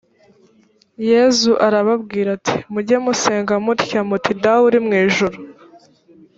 yezu arababwira ati muge musenga mutya muti dawe uri mu ijuru